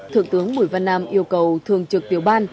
thượng tướng bùi văn nam yêu cầu thường trực tiểu ban